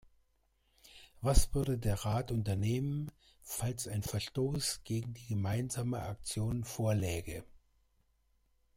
Was würde der Rat unternehmen, falls ein Verstoß gegen die Gemeinsame Aktion vorläge?